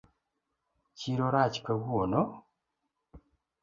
Chiro rach kawuono